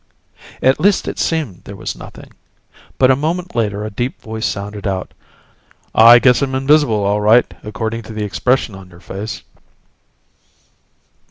At least it seemed there was nothing. But a moment later a deep voice sounded out: "I guess I'm invisible, all right, according to the expression on your face."